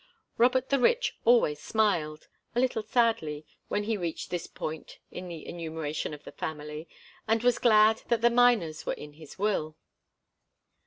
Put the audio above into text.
Robert the Rich always smiled a little sadly when he reached this point in the enumeration of the family, and was glad that the Miners were in his will.